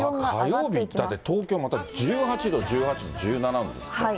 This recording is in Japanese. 火曜日、だって東京、また１９度、１８、１７度ですね。